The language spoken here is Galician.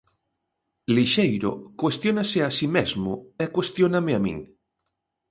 Lixeiro cuestiónase a si mesmo e cuestióname a min.